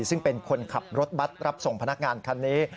ซึ่งเป็นคนขับรถบัตรรับส่งพนักงานคันนี้